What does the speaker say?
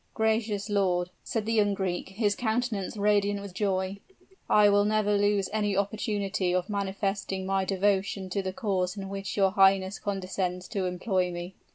"Gracious lord," said the young Greek, his countenance radiant with joy. "I will never lose any opportunity of manifesting my devotion to the cause in which your highness condescends to employ me."